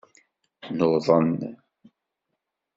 Nuḍen.